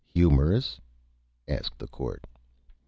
"Humorous?" asked the Court.